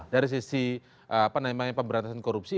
dari sisi apa namanya pemberantasan korupsi